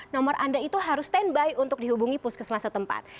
nomor anda itu harus standby untuk dihubungi puskesmas setempat